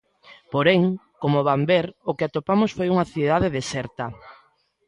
Porén, como van ver, o que atopamos foi unha cidade deserta.